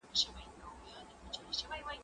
زه له سهاره کتابونه لوستل کوم؟